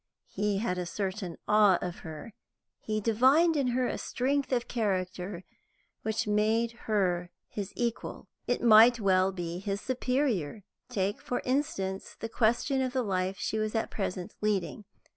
He had a certain awe of her. He divined in her a strength of character which made her his equal; it might well be, his superior. Take, for instance, the question of the life she was at present leading.